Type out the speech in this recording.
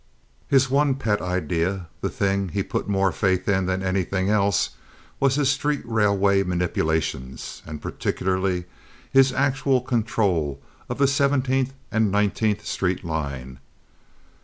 His one pet idea, the thing he put more faith in than anything else, was his street railway manipulations, and particularly his actual control of the Seventeenth and Nineteenth Street line.